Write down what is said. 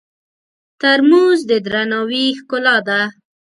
ترموز د درناوي ښکلا ده.